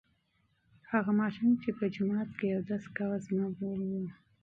هغه ماشوم چې په جومات کې اودس کاوه زما ورور و.